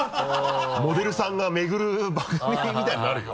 モデルさんが巡る番組みたいになるよ？